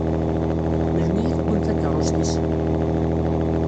Melmi i tewwim takeṛṛust-is?